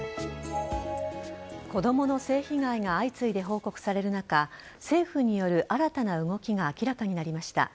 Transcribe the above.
子供の性被害が相次いで報告される中政府による新たな動きが明らかになりました。